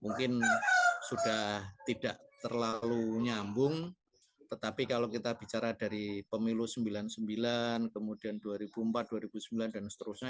mungkin sudah tidak terlalu nyambung tetapi kalau kita bicara dari pemilu sembilan puluh sembilan kemudian dua ribu empat dua ribu sembilan dan seterusnya